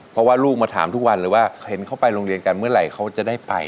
เพราะว่าลูกมาถามทุกวันเลยว่าเห็นเขาไปโรงเรียนกันเมื่อไหร่เขาจะได้ไป